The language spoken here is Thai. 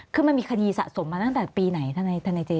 คือมันมีคดีสะสมมาตั้งแต่ปีไหนทนายเจ